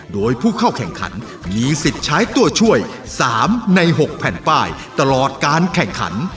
โดยผู้เข้าแข่งขันมีสิทธิ์ใช้ตัวช่วย๓ใน๖แผ่นป้ายตลอดการแข่งขัน